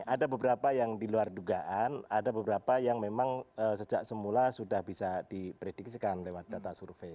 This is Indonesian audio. ada beberapa yang diluar dugaan ada beberapa yang memang sejak semula sudah bisa diprediksikan lewat data survei